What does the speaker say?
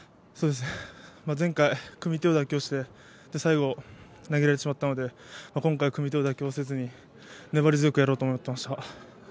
前回、組み手を妥協して最後投げられてしまったので今回、組み手を妥協せずに粘り強くやろうと思ってました。